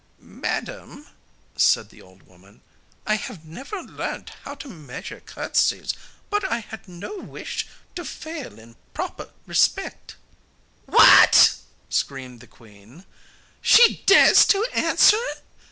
'Madam,' said the old woman, 'I have never learnt how to measure curtsies; but I had no wish to fail in proper respect.' 'What!' screamed the queen; 'she dares to answer!